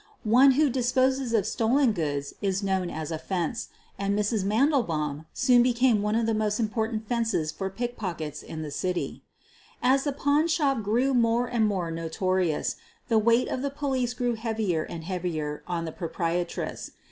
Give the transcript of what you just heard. One who disposes of stolen goods is known as a " fence," and Mrs. Mandelbaum soon became one of tfye most im portant "fences" for pickpockets in the city. As the pawn shop grew more and more notorious, the weight of the police grew heavier and heavier on the proprietress.